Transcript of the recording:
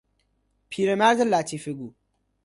پیر مرد لطیفه گو